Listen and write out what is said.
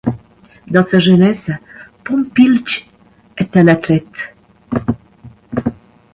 Dans sa jeunesse Pompilj est un athlète.